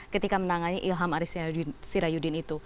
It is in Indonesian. ketika menangannya ilham arief sirayudin itu